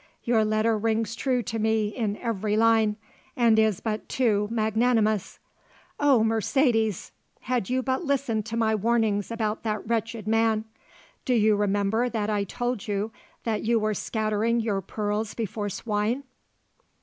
Your letter rings true to me in every line, and is but too magnanimous. Oh Mercedes! had you but listened to my warnings about that wretched man. Do you remember that I told you that you were scattering your pearls before swine?